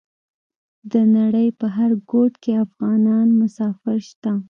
د نړۍ په هر ګوټ کې افغانان مسافر شته.